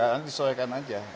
enggak disesuaikan saja